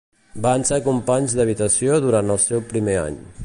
Van ser companys d'habitació durant el seu primer any.